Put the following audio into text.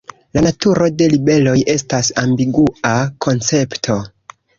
La naturo de ribeloj estas ambigua koncepto.